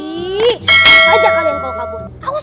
ih gini saja kalian kalau kabur